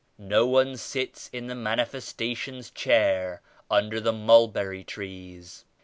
No one sits in the Manifestation's chair under the mulberry trees.